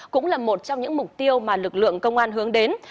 cũng là một trong những mục tiêu mà lực lượng công an hướng đến